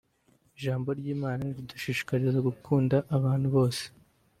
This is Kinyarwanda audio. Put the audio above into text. Ijambo ry'Imana ridushishikariza gukunda abantu bose